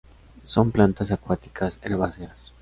Son plantas acuáticas herbáceas.